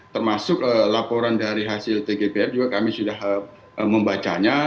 termasuk laporan dari hasil tgpf juga kami sudah membacanya